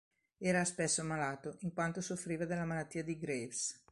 Era spesso malato in quanto soffriva della malattia di Graves.